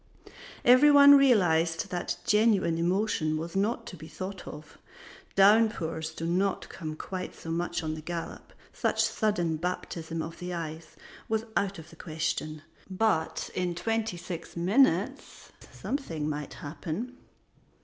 Every one realized that genuine emotion was not to be thought of; downpours do not come quite so much on the gallop; such sudden baptism of the eyes was out of the question; but in twenty six minutes something might happen.